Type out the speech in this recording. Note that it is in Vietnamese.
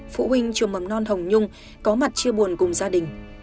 phụ huynh trường mầm non hồng nhung có mặt chia buồn cùng gia đình